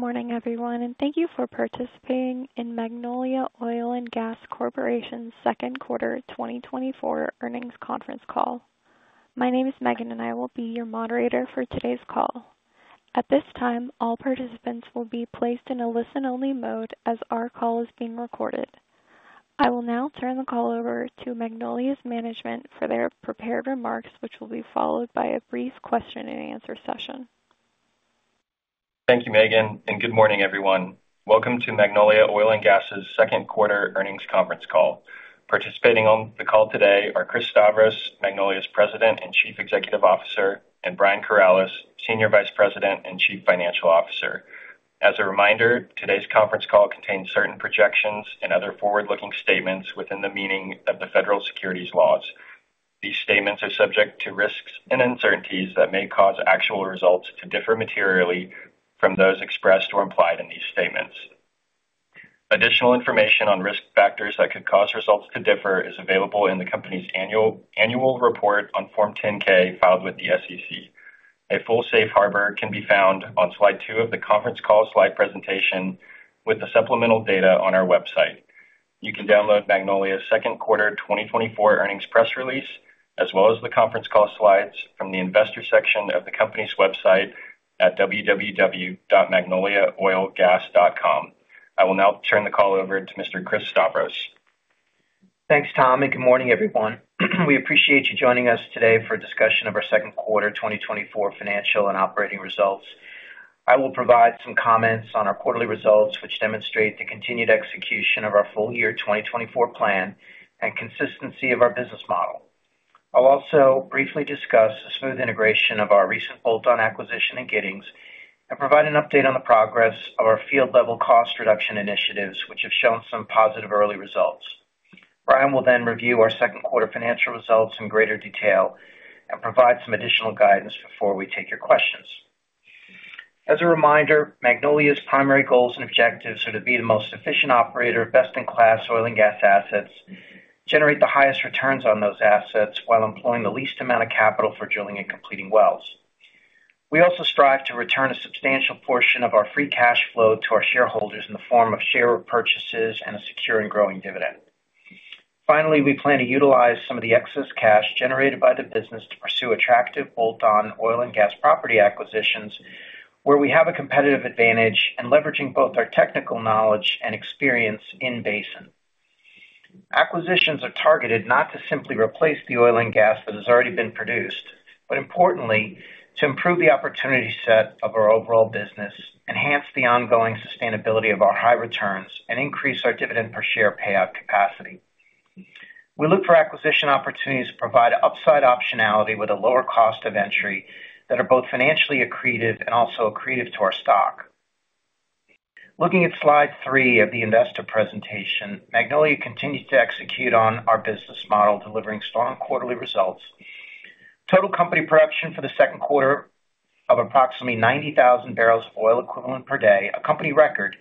Good morning, everyone, and thank you for participating in Magnolia Oil & Gas Corporation's Second Quarter 2024 Earnings Conference Call. My name is Megan, and I will be your moderator for today's call. At this time, all participants will be placed in a listen-only mode as our call is being recorded. I will now turn the call over to Magnolia's management for their prepared remarks, which will be followed by a brief question-and-answer session. Thank you, Megan, and good morning, everyone. Welcome to Magnolia Oil & Gas's Second Quarter Earnings Conference Call. Participating on the call today are Chris Stavros, Magnolia's President and Chief Executive Officer, and Brian Corales, Senior Vice President and Chief Financial Officer. As a reminder, today's conference call contains certain projections and other forward-looking statements within the meaning of the federal securities laws. These statements are subject to risks and uncertainties that may cause actual results to differ materially from those expressed or implied in these statements. Additional information on risk factors that could cause results to differ is available in the company's annual report on Form 10-K filed with the SEC. A full safe harbor can be found on slide two of the conference call slide presentation with the supplemental data on our website. You can download Magnolia's second quarter 2024 earnings press release, as well as the conference call slides from the investor section of the company's website at www.magnoliaoilgas.com. I will now turn the call over to Mr. Chris Stavros. Thanks, Tom, and good morning, everyone. We appreciate you joining us today for a discussion of our second quarter 2024 financial and operating results. I will provide some comments on our quarterly results, which demonstrate the continued execution of our full year 2024 plan and consistency of our business model. I'll also briefly discuss the smooth integration of our recent bolt-on acquisition in Giddings and provide an update on the progress of our field-level cost reduction initiatives, which have shown some positive early results. Brian will then review our second quarter financial results in greater detail and provide some additional guidance before we take your questions. As a reminder, Magnolia's primary goals and objectives are to be the most efficient operator of best-in-class oil and gas assets, generate the highest returns on those assets while employing the least amount of capital for drilling and completing wells. We also strive to return a substantial portion of our free cash flow to our shareholders in the form of share purchases and a secure and growing dividend. Finally, we plan to utilize some of the excess cash generated by the business to pursue attractive bolt-on oil and gas property acquisitions where we have a competitive advantage and leveraging both our technical knowledge and experience in basin. Acquisitions are targeted not to simply replace the oil and gas that has already been produced, but importantly, to improve the opportunity set of our overall business, enhance the ongoing sustainability of our high returns, and increase our dividend per share payout capacity. We look for acquisition opportunities to provide upside optionality with a lower cost of entry that are both financially accretive and also accretive to our stock. Looking at slide three of the investor presentation, Magnolia continues to execute on our business model, delivering strong quarterly results. Total company production for the second quarter of approximately 90,000 barrels of oil equivalent per day, a company record,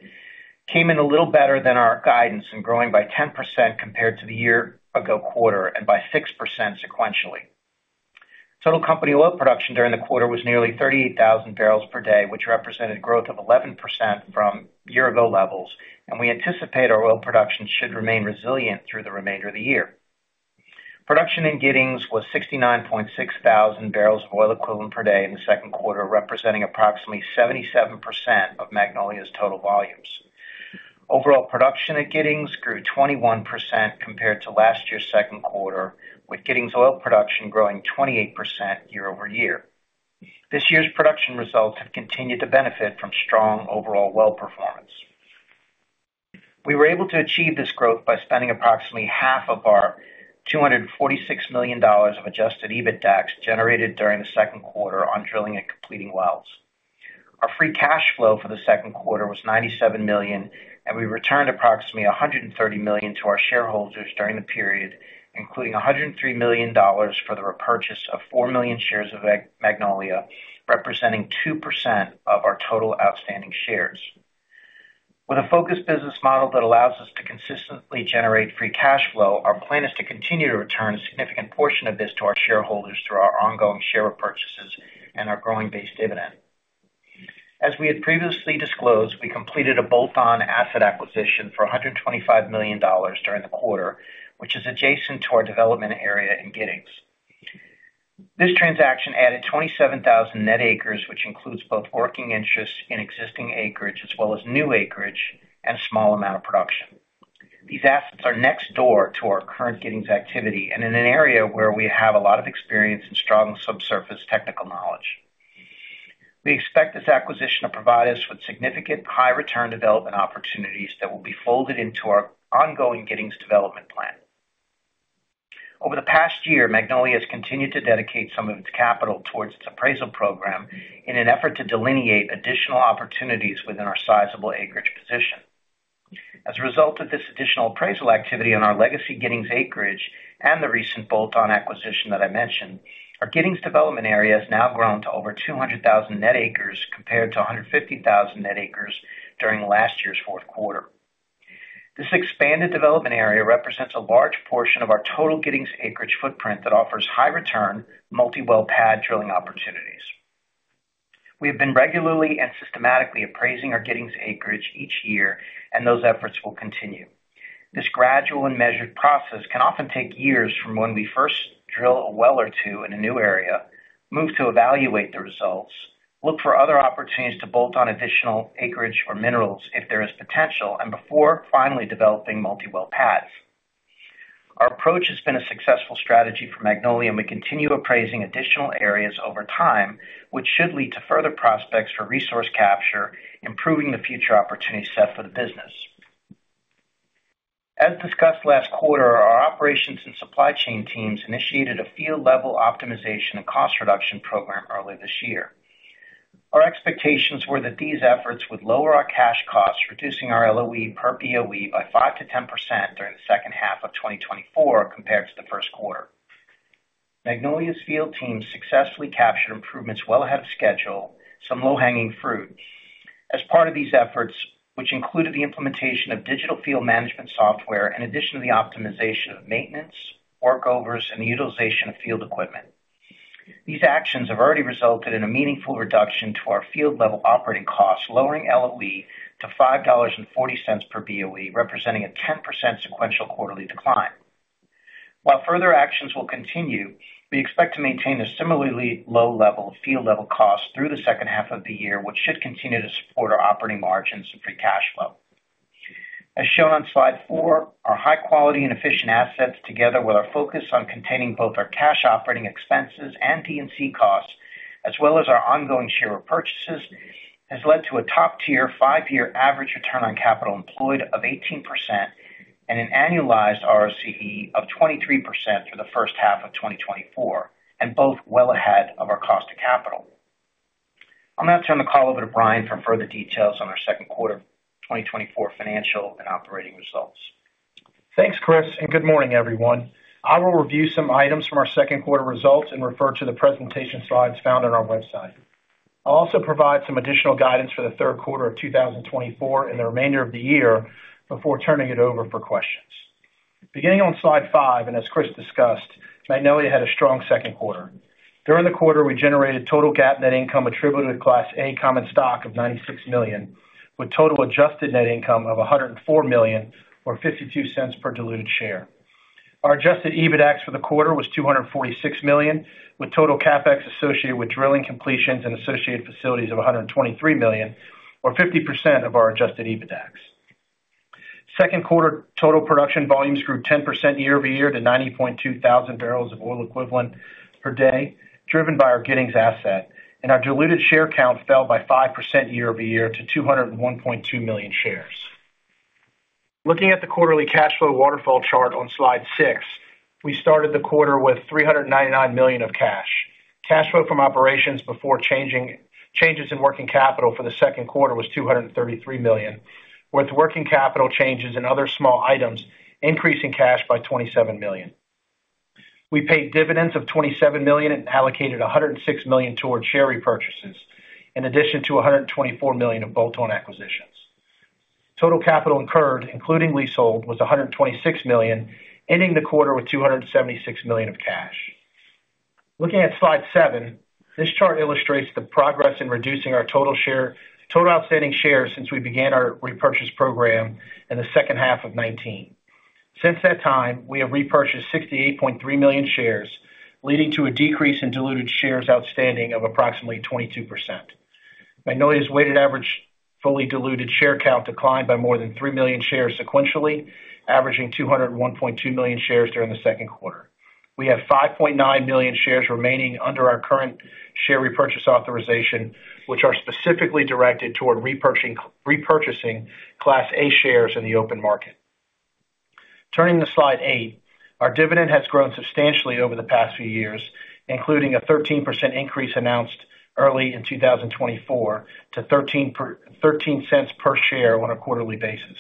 came in a little better than our guidance and growing by 10% compared to the year-ago quarter and by 6% sequentially. Total company oil production during the quarter was nearly 38,000 barrels per day, which represented growth of 11% from year-ago levels, and we anticipate our oil production should remain resilient through the remainder of the year. Production in Giddings was 69,600 barrels of oil equivalent per day in the second quarter, representing approximately 77% of Magnolia's total volumes. Overall production at Giddings grew 21% compared to last year's second quarter, with Giddings oil production growing 28% year-over-year. This year's production results have continued to benefit from strong overall well performance. We were able to achieve this growth by spending approximately half of our $246 million of Adjusted EBITDA generated during the second quarter on drilling and completing wells. Our free cash flow for the second quarter was $97 million, and we returned approximately $130 million to our shareholders during the period, including $103 million for the repurchase of 4 million shares of Magnolia, representing 2% of our total outstanding shares. With a focused business model that allows us to consistently generate free cash flow, our plan is to continue to return a significant portion of this to our shareholders through our ongoing share repurchases and our growing base dividend. As we had previously disclosed, we completed a bolt-on asset acquisition for $125 million during the quarter, which is adjacent to our development area in Giddings. This transaction added 27,000 net acres, which includes both working interest in existing acreage as well as new acreage and a small amount of production. These assets are next door to our current Giddings activity and in an area where we have a lot of experience and strong subsurface technical knowledge. We expect this acquisition to provide us with significant high-return development opportunities that will be folded into our ongoing Giddings development plan. Over the past year, Magnolia has continued to dedicate some of its capital towards its appraisal program in an effort to delineate additional opportunities within our sizable acreage position. As a result of this additional appraisal activity on our legacy Giddings acreage and the recent bolt-on acquisition that I mentioned, our Giddings development area has now grown to over 200,000 net acres compared to 150,000 net acres during last year's fourth quarter. This expanded development area represents a large portion of our total Giddings acreage footprint that offers high-return, multi-well pad drilling opportunities. We have been regularly and systematically appraising our Giddings acreage each year, and those efforts will continue. This gradual and measured process can often take years from when we first drill a well or two in a new area, move to evaluate the results, look for other opportunities to bolt on additional acreage or minerals if there is potential, and before finally developing multi-well pads. Our approach has been a successful strategy for Magnolia, and we continue appraising additional areas over time, which should lead to further prospects for resource capture, improving the future opportunity set for the business. As discussed last quarter, our operations and supply chain teams initiated a field-level optimization and cost reduction program early this year. Our expectations were that these efforts would lower our cash costs, reducing our LOE per BOE by 5%-10% during the second half of 2024 compared to the first quarter. Magnolia's field teams successfully captured improvements well ahead of schedule, some low-hanging fruit. As part of these efforts, which included the implementation of digital field management software in addition to the optimization of maintenance, workovers, and the utilization of field equipment, these actions have already resulted in a meaningful reduction to our field-level operating costs, lowering LOE to $5.40 per BOE, representing a 10% sequential quarterly decline. While further actions will continue, we expect to maintain a similarly low level of field-level costs through the second half of the year, which should continue to support our operating margins and free cash flow. As shown on slide 4, our high-quality and efficient assets, together with our focus on containing both our cash operating expenses and D&C costs, as well as our ongoing share repurchases, has led to a top-tier five-year average return on capital employed of 18% and an annualized ROCE of 23% for the first half of 2024, and both well ahead of our cost of capital. I'll now turn the call over to Brian for further details on our second quarter 2024 financial and operating results. Thanks, Chris, and good morning, everyone. I will review some items from our second quarter results and refer to the presentation slides found on our website. I'll also provide some additional guidance for the third quarter of 2024 and the remainder of the year before turning it over for questions. Beginning on slide 5, and as Chris discussed, Magnolia had a strong second quarter. During the quarter, we generated total GAAP net income attributed to Class A common stock of $96 million, with total adjusted net income of $104 million, or $0.52 per diluted share. Our adjusted EBITDA for the quarter was $246 million, with total capex associated with drilling completions and associated facilities of $123 million, or 50% of our adjusted EBITDA. Second quarter total production volumes grew 10% year-over-year to 90.2 thousand barrels of oil equivalent per day, driven by our Giddings asset, and our diluted share count fell by 5% year-over-year to 201.2 million shares. Looking at the quarterly cash flow waterfall chart on slide 6, we started the quarter with $399 million of cash. Cash flow from operations before changes in working capital for the second quarter was $233 million, with working capital changes and other small items increasing cash by $27 million. We paid dividends of $27 million and allocated $106 million toward share repurchases, in addition to $124 million of bolt-on acquisitions. Total capital incurred, including leasehold, was $126 million, ending the quarter with $276 million of cash. Looking at slide 7, this chart illustrates the progress in reducing our total outstanding shares since we began our repurchase program in the second half of 2019. Since that time, we have repurchased 68.3 million shares, leading to a decrease in diluted shares outstanding of approximately 22%. Magnolia's weighted average fully diluted share count declined by more than 3 million shares sequentially, averaging 201.2 million shares during the second quarter. We have 5.9 million shares remaining under our current share repurchase authorization, which are specifically directed toward repurchasing Class A shares in the open market. Turning to slide 8, our dividend has grown substantially over the past few years, including a 13% increase announced early in 2024 to $0.13 per share on a quarterly basis.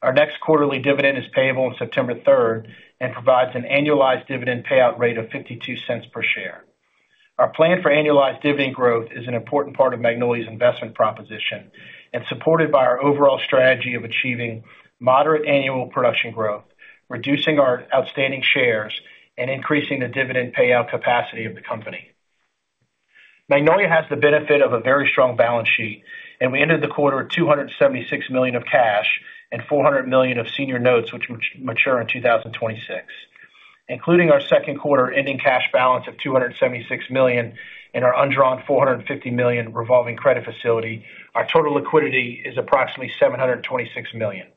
Our next quarterly dividend is payable on September 3rd and provides an annualized dividend payout rate of $0.52 per share. Our plan for annualized dividend growth is an important part of Magnolia's investment proposition and supported by our overall strategy of achieving moderate annual production growth, reducing our outstanding shares, and increasing the dividend payout capacity of the company. Magnolia has the benefit of a very strong balance sheet, and we ended the quarter with $276 million of cash and $400 million of senior notes, which mature in 2026. Including our second quarter ending cash balance of $276 million and our undrawn $450 million revolving credit facility, our total liquidity is approximately $726 million.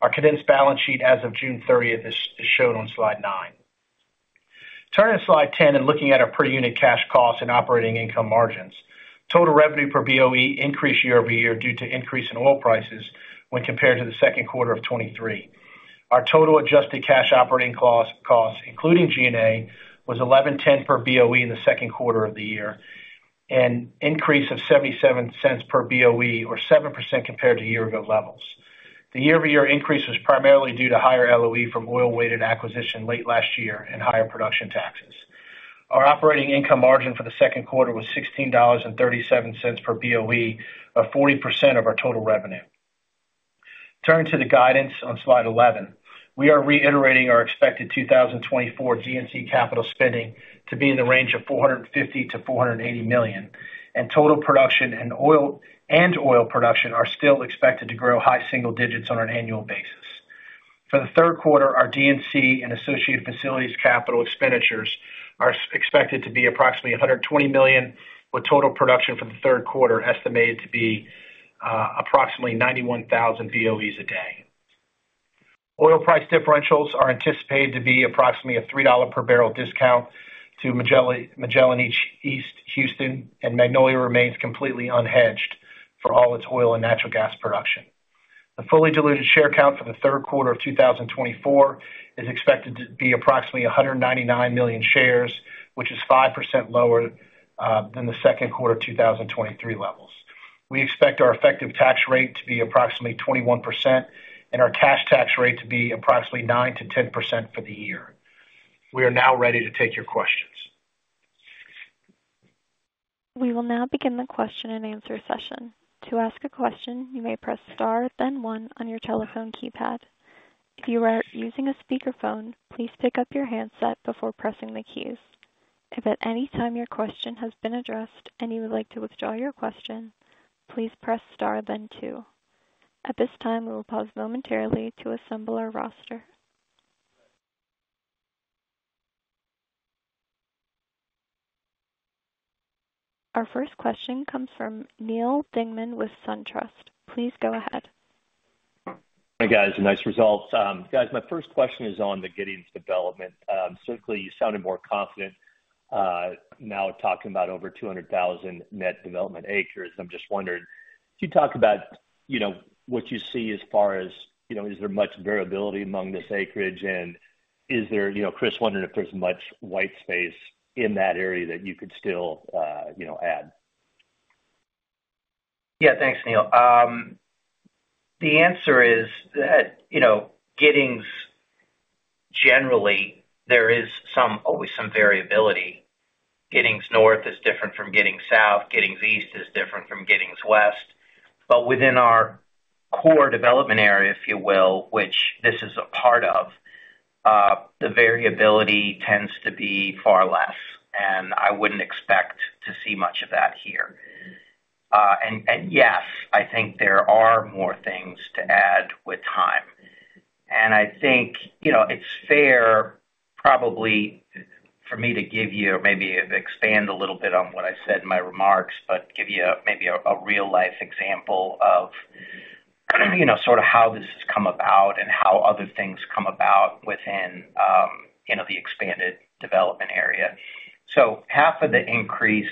Our condensed balance sheet as of June 30th is shown on slide 9. Turning to slide 10 and looking at our per unit cash costs and operating income margins, total revenue per BOE increased year-over-year due to increase in oil prices when compared to the second quarter of 2023. Our total adjusted cash operating costs, including G&A, was $11.10 per BOE in the second quarter of the year and increased of $0.77 per BOE, or 7% compared to year-ago levels. The year-over-year increase was primarily due to higher LOE from oil-weighted acquisition late last year and higher production taxes. Our operating income margin for the second quarter was $16.37 per BOE, a 40% of our total revenue. Turning to the guidance on slide 11, we are reiterating our expected 2024 D&C capital spending to be in the range of $450 million-$480 million, and total production and oil production are still expected to grow high single digits on an annual basis. For the third quarter, our D&C and associated facilities capital expenditures are expected to be approximately $120 million, with total production for the third quarter estimated to be approximately 91,000 BOEs a day. Oil price differentials are anticipated to be approximately a $3 per barrel discount to Magellan East Houston, and Magnolia remains completely unhedged for all its oil and natural gas production. The fully diluted share count for the third quarter of 2024 is expected to be approximately 199 million shares, which is 5% lower than the second quarter 2023 levels. We expect our effective tax rate to be approximately 21% and our cash tax rate to be approximately 9%-10% for the year. We are now ready to take your questions. We will now begin the question and answer session. To ask a question, you may press star, then one on your telephone keypad. If you are using a speakerphone, please pick up your handset before pressing the keys. If at any time your question has been addressed and you would like to withdraw your question, please press star, then two. At this time, we will pause momentarily to assemble our roster. Our first question comes from Neal Dingmann with SunTrust. Please go ahead. Hi, guys. Nice results. Guys, my first question is on the Giddings development. Certainly, you sounded more confident now talking about over 200,000 net development acres. I'm just wondering, could you talk about what you see as far as, is there much variability among this acreage? And is there, Chris, wondering if there's much white space in that area that you could still add? Yeah, thanks, Neal. The answer is, Giddings generally, there is always some variability. Giddings North is different from Giddings South. Giddings East is different from Giddings West. But within our core development area, if you will, which this is a part of, the variability tends to be far less, and I wouldn't expect to see much of that here. And yes, I think there are more things to add with time. And I think it's fair probably for me to give you maybe expand a little bit on what I said in my remarks, but give you maybe a real-life example of sort of how this has come about and how other things come about within the expanded development area. So half of the increase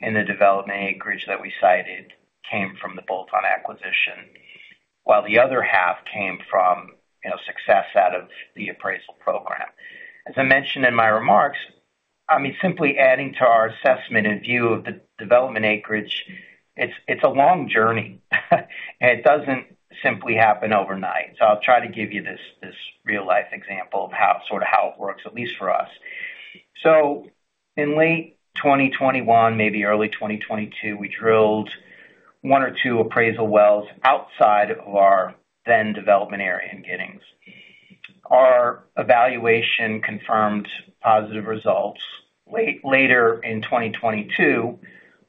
in the development acreage that we cited came from the bolt-on acquisition, while the other half came from success out of the appraisal program. As I mentioned in my remarks, I mean, simply adding to our assessment and view of the development acreage, it's a long journey, and it doesn't simply happen overnight. So I'll try to give you this real-life example of sort of how it works, at least for us. So in late 2021, maybe early 2022, we drilled one or two appraisal wells outside of our then development area in Giddings. Our evaluation confirmed positive results. Later in 2022,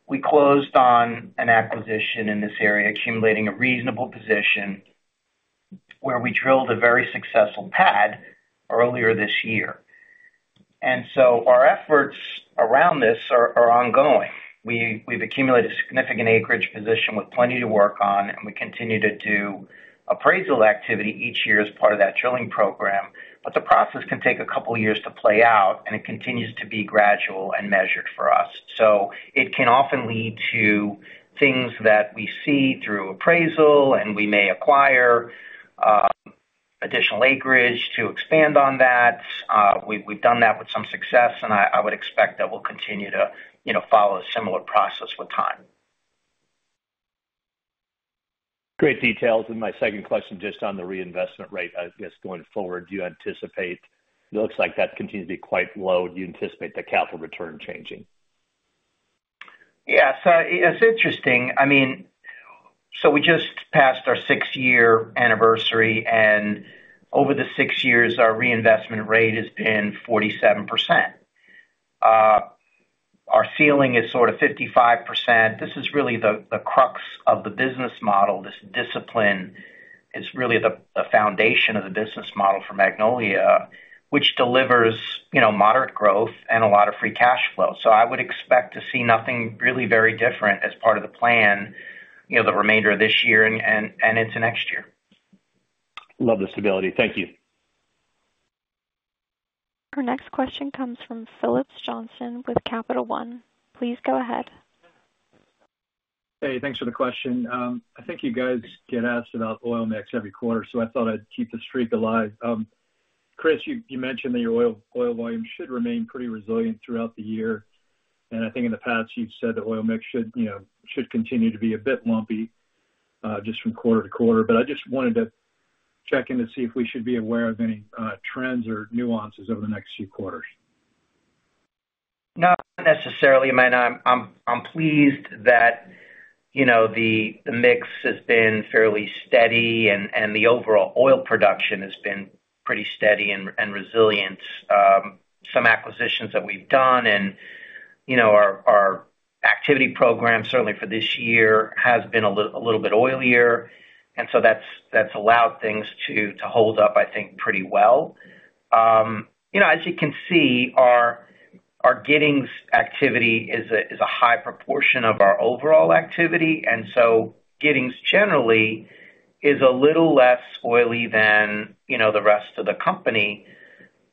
we closed on an acquisition in this area, accumulating a reasonable position where we drilled a very successful pad earlier this year. And so our efforts around this are ongoing. We've accumulated a significant acreage position with plenty to work on, and we continue to do appraisal activity each year as part of that drilling program. But the process can take a couple of years to play out, and it continues to be gradual and measured for us. So it can often lead to things that we see through appraisal, and we may acquire additional acreage to expand on that. We've done that with some success, and I would expect that we'll continue to follow a similar process with time. Great details. My second question just on the reinvestment rate, I guess going forward, do you anticipate it looks like that continues to be quite low? Do you anticipate the capital return changing? Yeah. So it's interesting. I mean, so we just passed our six-year anniversary, and over the six years, our reinvestment rate has been 47%. Our ceiling is sort of 55%. This is really the crux of the business model. This discipline is really the foundation of the business model for Magnolia, which delivers moderate growth and a lot of free cash flow. So I would expect to see nothing really very different as part of the plan the remainder of this year and into next year. Love the stability. Thank you. Our next question comes from Phillips Johnston with Capital One. Please go ahead. Hey, thanks for the question. I think you guys get asked about oil mix every quarter, so I thought I'd keep the streak alive. Chris, you mentioned that your oil volume should remain pretty resilient throughout the year. I just wanted to check in to see if we should be aware of any trends or nuances over the next few quarters. Not necessarily. I mean, I'm pleased that the mix has been fairly steady and the overall oil production has been pretty steady and resilient. Some acquisitions that we've done and our activity program, certainly for this year, has been a little bit oilier. And so that's allowed things to hold up, I think, pretty well. As you can see, our Giddings activity is a high proportion of our overall activity. And so Giddings generally is a little less oily than the rest of the company.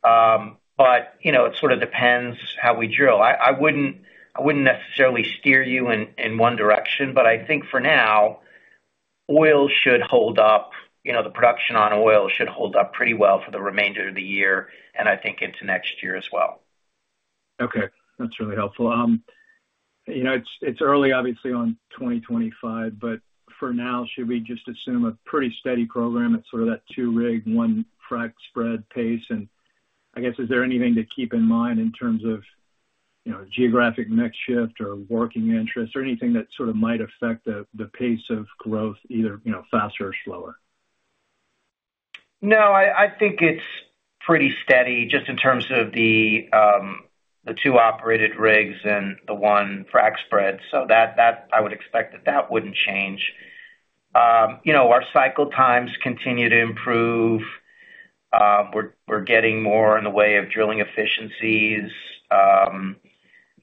But it sort of depends how we drill. I wouldn't necessarily steer you in one direction, but I think for now, oil should hold up. The production on oil should hold up pretty well for the remainder of the year and I think into next year as well. Okay. That's really helpful. It's early, obviously, on 2025, but for now, should we just assume a pretty steady program at sort of that 2-rig, 1-frac spread pace? And I guess, is there anything to keep in mind in terms of geographic mix shift or working interest or anything that sort of might affect the pace of growth, either faster or slower? No, I think it's pretty steady just in terms of the two operated rigs and the one frac spread. So I would expect that that wouldn't change. Our cycle times continue to improve. We're getting more in the way of drilling efficiencies.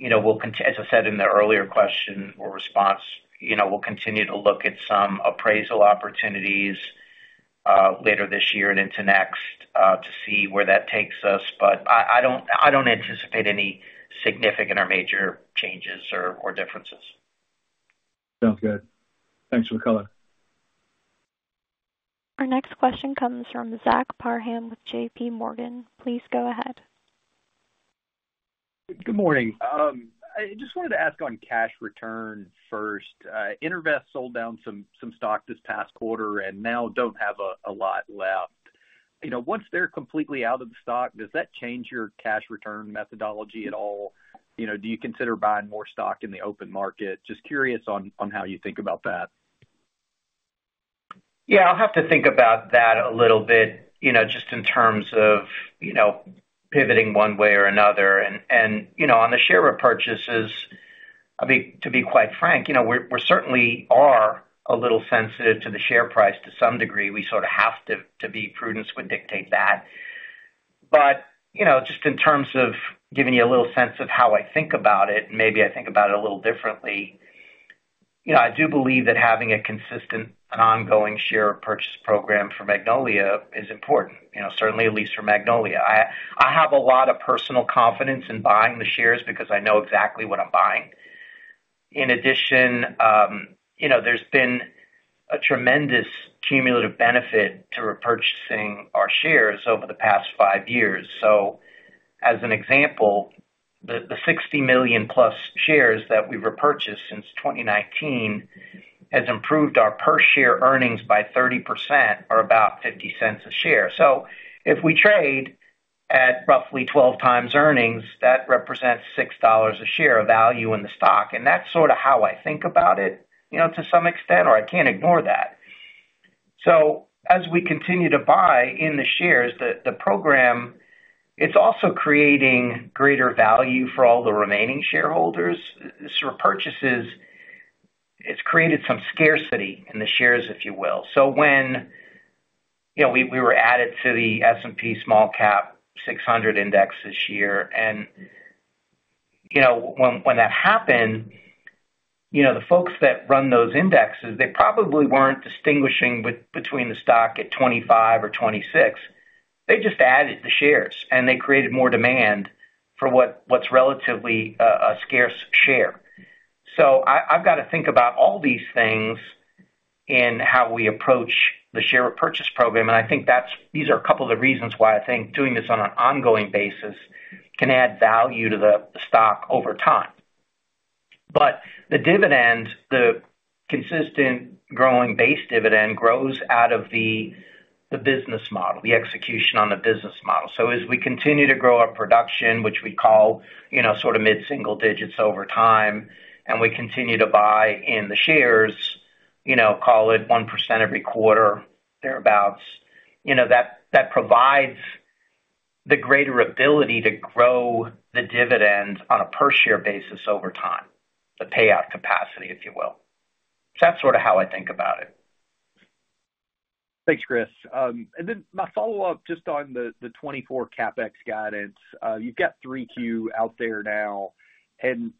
As I said in the earlier question or response, we'll continue to look at some appraisal opportunities later this year and into next to see where that takes us. But I don't anticipate any significant or major changes or differences. Sounds good. Thanks. Our next question comes from Zach Parham with JP Morgan. Please go ahead. Good morning. I just wanted to ask on cash return first. EnerVest sold down some stock this past quarter and now don't have a lot left. Once they're completely out of the stock, does that change your cash return methodology at all? Do you consider buying more stock in the open market? Just curious on how you think about that. Yeah, I'll have to think about that a little bit just in terms of pivoting one way or another. And on the share repurchases, to be quite frank, we certainly are a little sensitive to the share price to some degree. We sort of have to be. Prudence would dictate that. But just in terms of giving you a little sense of how I think about it, and maybe I think about it a little differently, I do believe that having a consistent and ongoing share purchase program for Magnolia is important, certainly at least for Magnolia. I have a lot of personal confidence in buying the shares because I know exactly what I'm buying. In addition, there's been a tremendous cumulative benefit to repurchasing our shares over the past five years. So as an example, the 60 million-plus shares that we've repurchased since 2019 has improved our per-share earnings by 30% or about $0.50 a share. So if we trade at roughly 12 times earnings, that represents $6 a share of value in the stock. And that's sort of how I think about it to some extent, or I can't ignore that. So as we continue to buy in the shares, the program, it's also creating greater value for all the remaining shareholders. Repurchases, it's created some scarcity in the shares, if you will. So when we were added to the S&P SmallCap 600 index this year, and when that happened, the folks that run those indexes, they probably weren't distinguishing between the stock at 25 or 26. They just added the shares, and they created more demand for what's relatively a scarce share. So I've got to think about all these things in how we approach the share repurchase program. And I think these are a couple of the reasons why I think doing this on an ongoing basis can add value to the stock over time. But the dividend, the consistent growing base dividend, grows out of the business model, the execution on the business model. So as we continue to grow our production, which we call sort of mid-single digits over time, and we continue to buy in the shares, call it 1% every quarter, thereabouts, that provides the greater ability to grow the dividend on a per-share basis over time, the payout capacity, if you will. So that's sort of how I think about it. Thanks, Chris. And then my follow-up just on the 2024 CapEx guidance. You've got 3Q out there now. And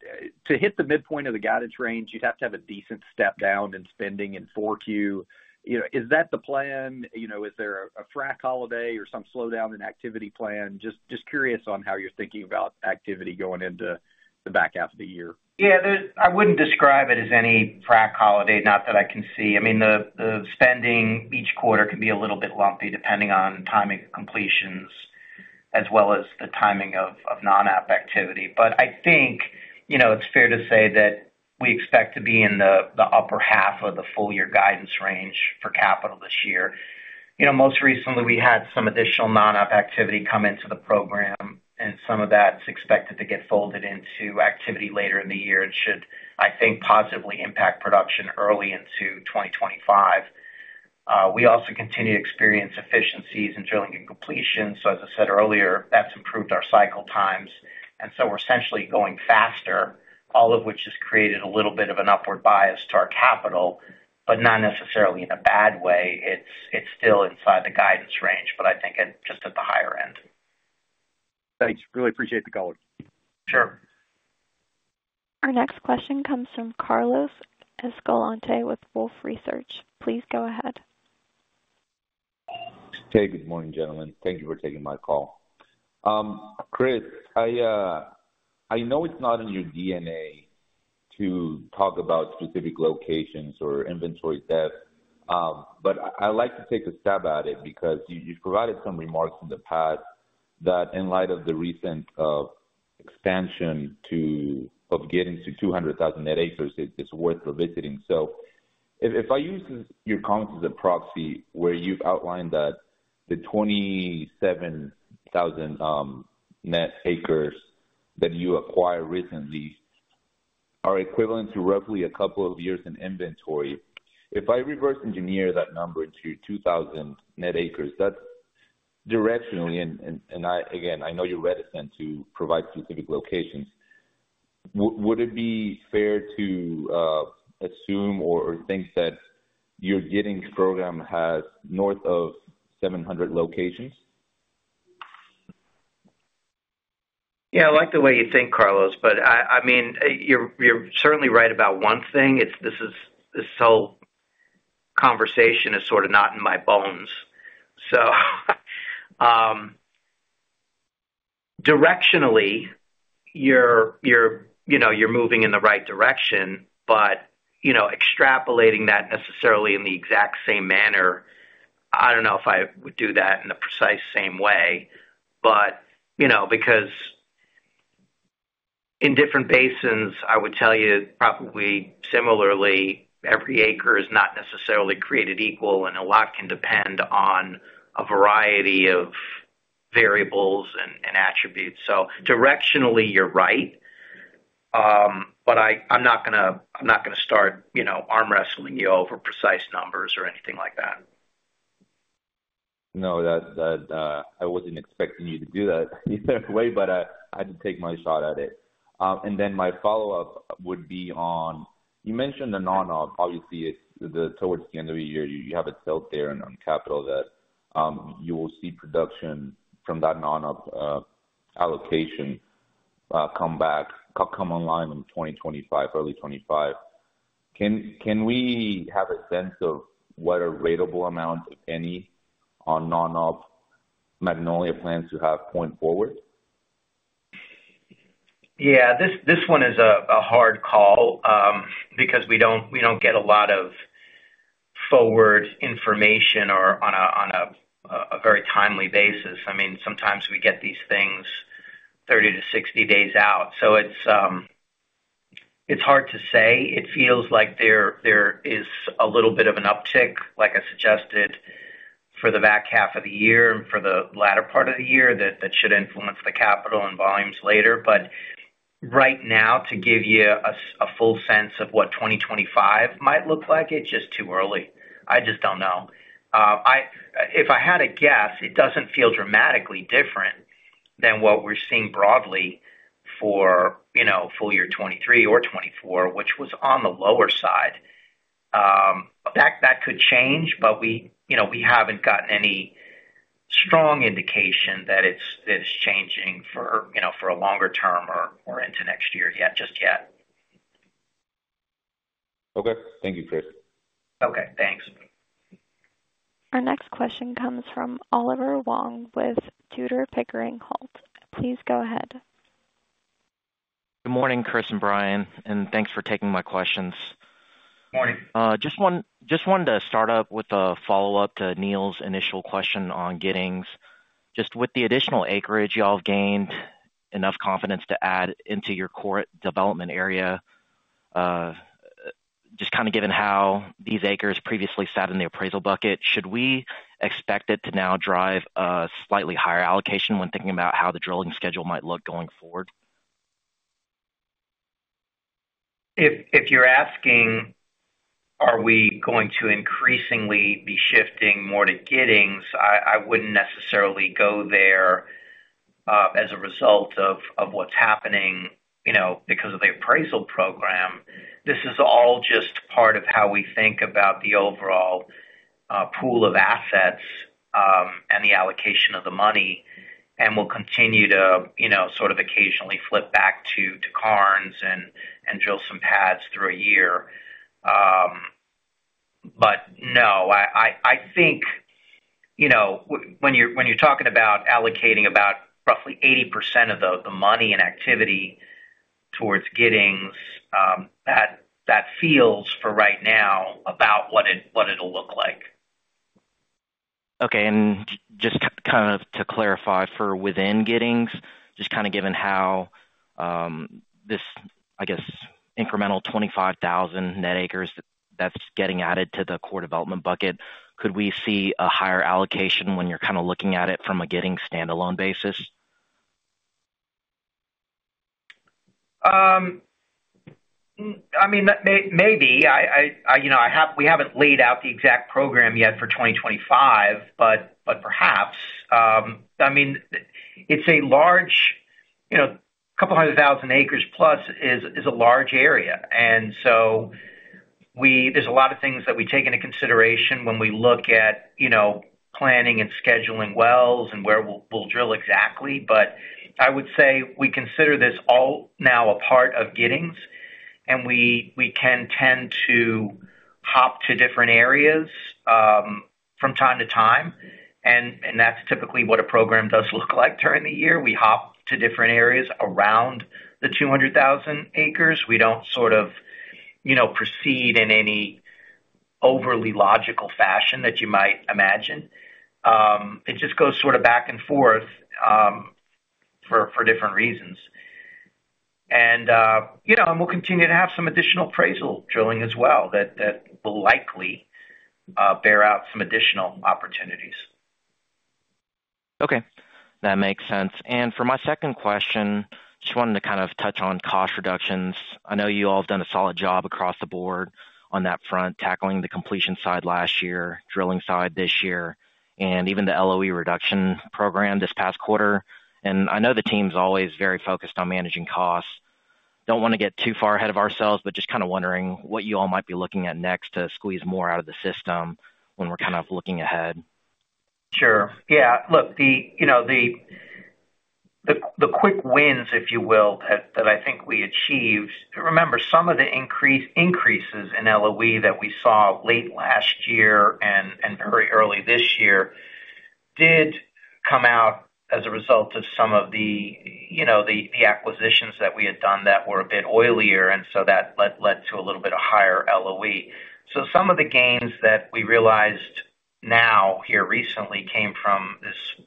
to hit the midpoint of the guidance range, you'd have to have a decent step down in spending in 4Q. Is that the plan? Is there a frac holiday or some slowdown in activity planned? Just curious on how you're thinking about activity going into the back half of the year. Yeah, I wouldn't describe it as any frac holiday, not that I can see. I mean, the spending each quarter can be a little bit lumpy depending on timing of completions as well as the timing of non-op activity. But I think it's fair to say that we expect to be in the upper half of the full-year guidance range for capital this year. Most recently, we had some additional non-op activity come into the program, and some of that is expected to get folded into activity later in the year and should, I think, positively impact production early into 2025. We also continue to experience efficiencies in drilling and completion. So as I said earlier, that's improved our cycle times. And so we're essentially going faster, all of which has created a little bit of an upward bias to our capital, but not necessarily in a bad way. It's still inside the guidance range, but I think just at the higher end. Thanks. Really appreciate the call. Sure. Our next question comes from Carlos Escalante with Wolfe Research. Please go ahead. Hey, good morning, gentlemen. Thank you for taking my call. Chris, I know it's not in your DNA to talk about specific locations or inventory depth, but I'd like to take a stab at it because you've provided some remarks in the past that in light of the recent expansion of Giddings to 200,000 net acres, it's worth revisiting. So if I use your comments as a proxy where you've outlined that the 27,000 net acres that you acquired recently are equivalent to roughly a couple of years in inventory, if I reverse engineer that number into 2,000 net acres, that's directionally, and again, I know you're reticent to provide specific locations, would it be fair to assume or think that your Giddings program has north of 700 locations? Yeah, I like the way you think, Carlos, but I mean, you're certainly right about one thing. This whole conversation is sort of not in my bones. So directionally, you're moving in the right direction, but extrapolating that necessarily in the exact same manner, I don't know if I would do that in the precise same way. But because in different basins, I would tell you probably similarly, every acre is not necessarily created equal, and a lot can depend on a variety of variables and attributes. So directionally, you're right, but I'm not going to start arm wrestling you over precise numbers or anything like that. No, I wasn't expecting you to do that either way, but I had to take my shot at it. Then my follow-up would be on you mentioned the non-op. Obviously, toward the end of the year, you have it built there on capital that you will see production from that non-op allocation come online in 2025, early 2025. Can we have a sense of what a ratable amount, if any, on non-op Magnolia plans to have going forward? Yeah, this one is a hard call because we don't get a lot of forward information on a very timely basis. I mean, sometimes we get these things 30-60 days out. So it's hard to say. It feels like there is a little bit of an uptick, like I suggested, for the back half of the year and for the latter part of the year that should influence the capital and volumes later. But right now, to give you a full sense of what 2025 might look like, it's just too early. I just don't know. If I had a guess, it doesn't feel dramatically different than what we're seeing broadly for full year 2023 or 2024, which was on the lower side. That could change, but we haven't gotten any strong indication that it's changing for a longer term or into next year just yet. Okay. Thank you, Chris. Okay. Thanks. Our next question comes from Oliver Huang with Tudor, Pickering, Holt. Please go ahead. Good morning, Chris and Brian, and thanks for taking my questions. Good morning. Just wanted to start up with a follow-up to Neal's initial question on Giddings. Just with the additional acreage, y'all have gained enough confidence to add into your core development area. Just kind of given how these acres previously sat in the appraisal bucket, should we expect it to now drive a slightly higher allocation when thinking about how the drilling schedule might look going forward? If you're asking are we going to increasingly be shifting more to Giddings, I wouldn't necessarily go there as a result of what's happening because of the appraisal program. This is all just part of how we think about the overall pool of assets and the allocation of the money. We'll continue to sort of occasionally flip back to Karnes and drill some pads throughout the year. But no, I think when you're talking about allocating about roughly 80% of the money and activity towards Giddings, that feels, for right now, about what it'll look like. Okay. Just kind of to clarify for within Giddings, just kind of given how this, I guess, incremental 25,000 net acres that's getting added to the core development bucket, could we see a higher allocation when you're kind of looking at it from a Giddings standalone basis? I mean, maybe. We haven't laid out the exact program yet for 2025, but perhaps. I mean, it's a large couple hundred thousand acres plus; it's a large area. And so there's a lot of things that we take into consideration when we look at planning and scheduling wells and where we'll drill exactly. But I would say we consider this all now a part of Giddings, and we can tend to hop to different areas from time to time. And that's typically what a program does look like during the year. We hop to different areas around the 200,000 acres. We don't sort of proceed in any overly logical fashion that you might imagine. It just goes sort of back and forth for different reasons. And we'll continue to have some additional appraisal drilling as well that will likely bear out some additional opportunities. Okay. That makes sense. And for my second question, just wanted to kind of touch on cost reductions. I know you all have done a solid job across the board on that front, tackling the completion side last year, drilling side this year, and even the LOE reduction program this past quarter. And I know the team's always very focused on managing costs. Don't want to get too far ahead of ourselves, but just kind of wondering what you all might be looking at next to squeeze more out of the system when we're kind of looking ahead. Sure. Yeah. Look, the quick wins, if you will, that I think we achieved. Remember, some of the increases in LOE that we saw late last year and very early this year did come out as a result of some of the acquisitions that we had done that were a bit oilier. And so that led to a little bit of higher LOE. So some of the gains that we realized now here recently came from this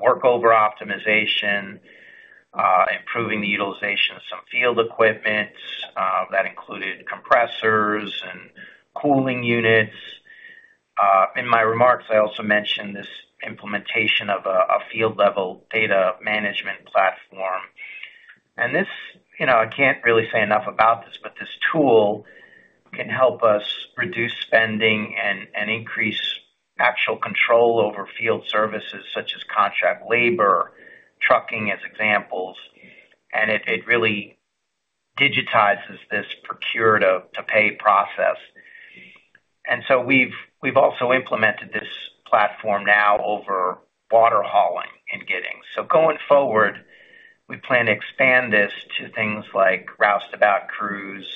workover optimization, improving the utilization of some field equipment. That included compressors and cooling units. In my remarks, I also mentioned this implementation of a field-level data management platform. And I can't really say enough about this, but this tool can help us reduce spending and increase actual control over field services such as contract labor, trucking as examples. And it really digitizes this procure-to-pay process. We've also implemented this platform now over water hauling and gathering. So going forward, we plan to expand this to things like roustabout crews,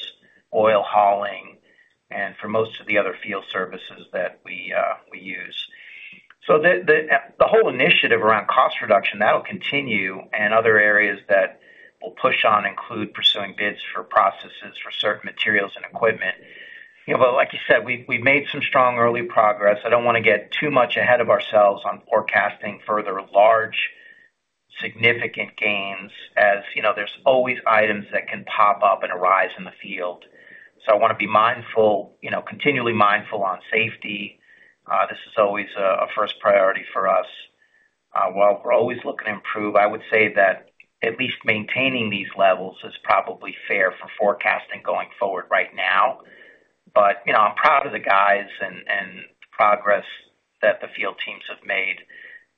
oil hauling, and for most of the other field services that we use. So the whole initiative around cost reduction, that'll continue. And other areas that we'll push on include pursuing bids for processes for certain materials and equipment. But like you said, we've made some strong early progress. I don't want to get too much ahead of ourselves on forecasting further large significant gains, as there's always items that can pop up and arise in the field. So I want to be continually mindful on safety. This is always a first priority for us. While we're always looking to improve, I would say that at least maintaining these levels is probably fair for forecasting going forward right now. But I'm proud of the guys and the progress that the field teams have made.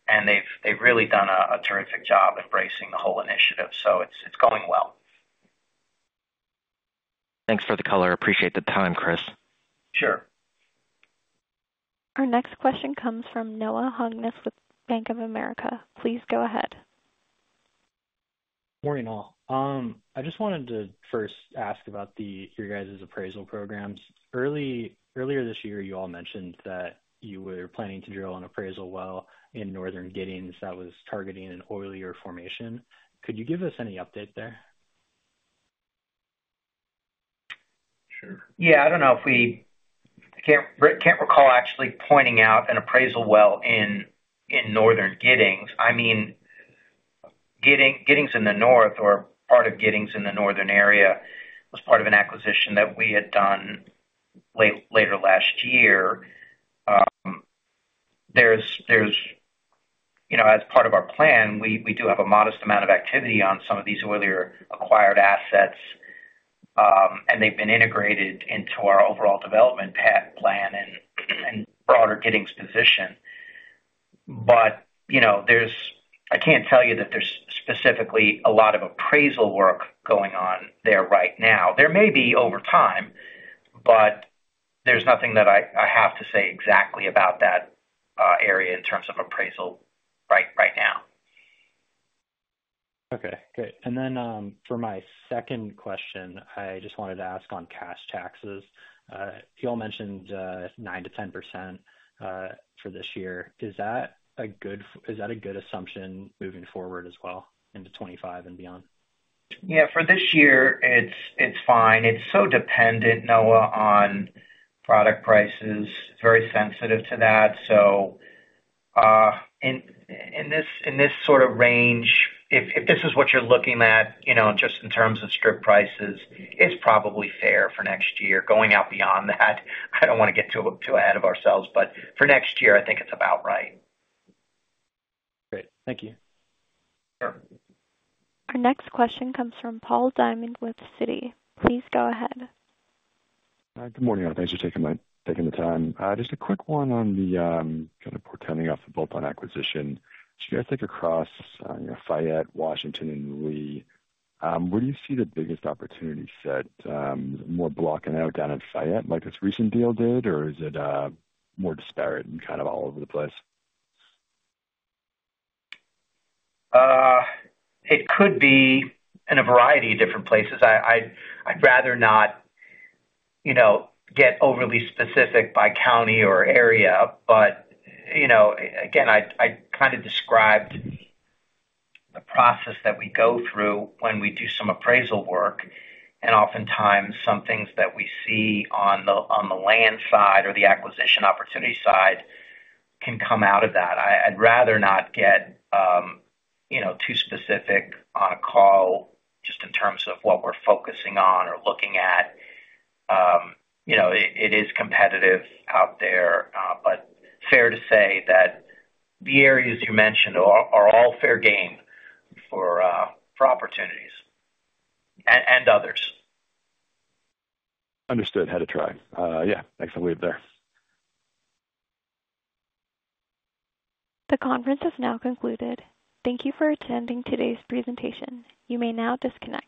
And they've really done a terrific job embracing the whole initiative. So it's going well. Thanks for the color. Appreciate the time, Chris. Sure. Our next question comes from Noah Hungness with Bank of America. Please go ahead. Morning all. I just wanted to first ask about your guys' appraisal programs. Earlier this year, you all mentioned that you were planning to drill an appraisal well in northern Giddings that was targeting an oilier formation. Could you give us any update there? Yeah. I don't know if we can't recall actually pointing out an appraisal well in northern Giddings. I mean, Giddings in the north or part of Giddings in the northern area was part of an acquisition that we had done later last year. As part of our plan, we do have a modest amount of activity on some of these earlier acquired assets, and they've been integrated into our overall development plan and broader Giddings position. But I can't tell you that there's specifically a lot of appraisal work going on there right now. There may be over time, but there's nothing that I have to say exactly about that area in terms of appraisal right now. Okay. Great. And then for my second question, I just wanted to ask on cash taxes. You all mentioned 9%-10% for this year. Is that a good assumption moving forward as well into 2025 and beyond? Yeah. For this year, it's fine. It's so dependent, Noah, on product prices. It's very sensitive to that. So in this sort of range, if this is what you're looking at just in terms of strip prices, it's probably fair for next year. Going out beyond that, I don't want to get too ahead of ourselves. But for next year, I think it's about right. Great. Thank you. Sure. Our next question comes from Paul Diamond with Citi. Please go ahead. Good morning, everyone. Thanks for taking the time. Just a quick one on the kind of pertaining to the bolt-on acquisition. If you guys look across Fayette, Washington, and Lee, where do you see the biggest opportunity set? More blocking out down in Fayette like this recent deal did, or is it more disparate and kind of all over the place? It could be in a variety of different places. I'd rather not get overly specific by county or area. But again, I kind of described the process that we go through when we do some appraisal work. And oftentimes, some things that we see on the land side or the acquisition opportunity side can come out of that. I'd rather not get too specific on a call just in terms of what we're focusing on or looking at. It is competitive out there, but fair to say that the areas you mentioned are all fair game for opportunities and others. Understood. Had to try. Yeah. Thanks. I'll leave it there. The conference has now concluded. Thank you for attending today's presentation. You may now disconnect.